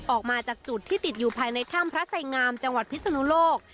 ออกมาจากจุดที่ติดอยู่ภายในถ้ำพระไสงามจังหวัดพิศนุโลก